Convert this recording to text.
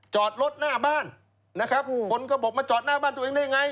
จอดรถหน้าบ้านนะครับคนก็บอกมาจอดหน้าบ้านตัวเองได้ยังไง